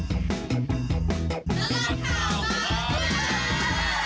ดรคาวเนค